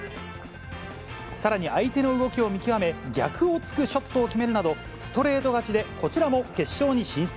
さらに相手の動きを見極め、逆を突くショットを決めるなど、ストレート勝ちで、こちらも決勝に進出。